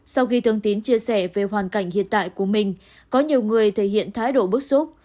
sau khi thông tin chia sẻ về hoàn cảnh hiện tại của mình có nhiều người thể hiện thái độ bức xúc